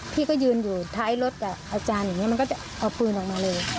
พี่ก็ยืนอยู่ท้ายรถปืนออกมาเลย